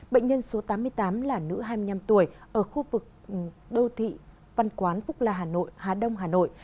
bệnh nhân số tám mươi tám là nữ hai mươi năm tuổi ở khu vực đô thị văn quán phúc la hà nội hà đông hà nội